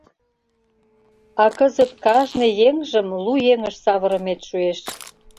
А кызыт кажне еҥжым лу еҥыш савырымет шуэш.